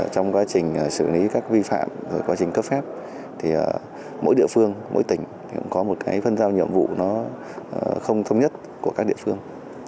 trong quá trình xử lý các vi phạm quá trình cấp phép thì mỗi địa phương mỗi tỉnh cũng có một cái phân giao nhiệm vụ nó không thống nhất của các địa phương